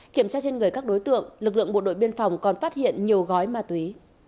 kiểm tra trên người các đối tượng lực lượng bộ đội biên phòng còn phát hiện nhiều gói ma túy